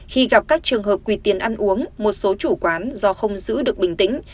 khi gặp các trường hợp quỳ tiền ăn uống một số chủ quán do không giữ được bình tĩnh